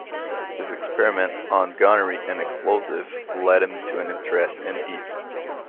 His experiments on gunnery and explosives led to an interest in heat.